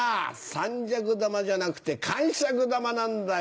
三尺玉じゃなくてカンシャク玉なんだよ。